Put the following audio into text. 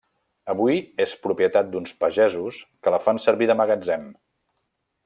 Avui és propietat d'uns pagesos que la fan servir de magatzem.